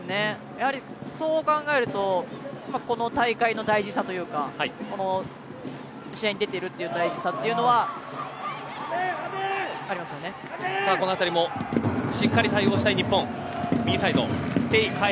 そう考えるとこの大会の大事さというかこの試合に出ているという大事さというのはこのあたりもしっかり対応したい日本。